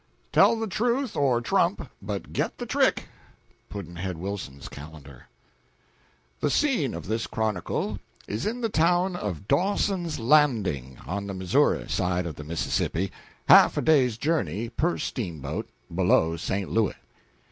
Tell the truth or trump but get the trick. Pudd'nhead Wilson's Calendar. The scene of this chronicle is the town of Dawson's Landing, on the Missouri side of the Mississippi, half a day's journey, per steamboat, below St. Louis.